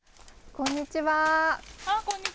こんにちは。